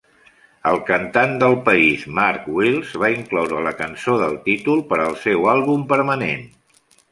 El cantant del país Mark Wills va incloure la cançó del títol per al seu àlbum permanent.